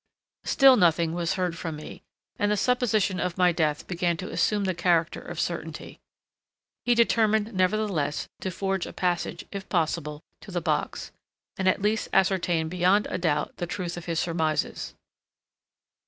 Still nothing was heard from me, and the supposition of my death began to assume the character of certainty. He determined, nevertheless, to force a passage, if possible, to the box, and at least ascertain beyond a doubt the truth of his surmises.